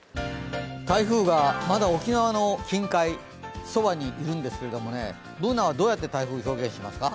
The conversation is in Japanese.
台風がまだ沖縄の近海そばにいるんですけどＢｏｏｎａはどうやって台風、表現しますか？